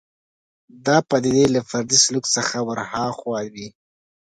دا پدیدې له فردي سلوک څخه ورهاخوا وي